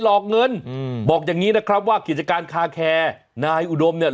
อกเงินอืมบอกอย่างงี้นะครับว่ากิจการคาแคร์นายอุดมเนี่ย